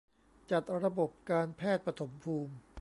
จัดระบบการแพทย์ปฐมภูมิ